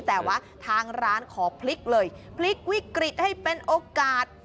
แต่ว่าทางร้านขอพลิกเลยพลิกวิกฤตให้เป็นโอกาส